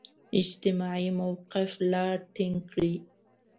اجتماعي موقف لا ټینګ کړي.